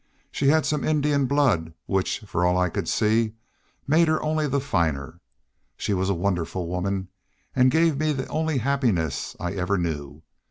She had some Indian blood, which, for all I could see, made her only the finer. She was a wonderful woman an' gave me the only happiness I ever knew.